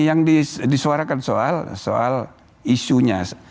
yang disuarakan soal isunya